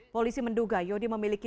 polisi menduga yodi memiliki